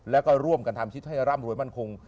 แล้วก็ร่วมกันทำชิดให้ร่ำรวยมั่นคง